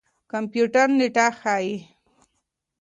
کمپيوټر نېټه ښيي.